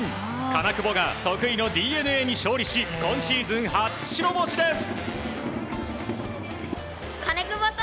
金久保が得意のＤｅＮＡに勝利し今シーズン初白星です！